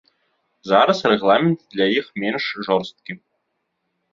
Зараз рэгламент для іх менш жорсткі.